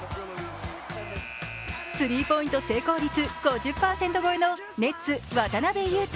スリーポイント成功率５０％超えのネッツ・渡邊雄太。